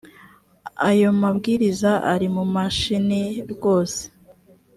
ayo mabwiriza ari mu mashini rwose